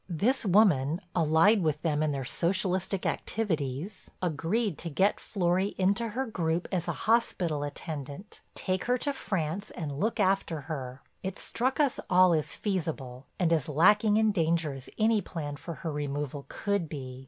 This woman, allied with them in their Socialistic activities, agreed to get Florry into her group as a hospital attendant, take her to France and look after her. It struck us all as feasible and as lacking in danger as any plan for her removal could be.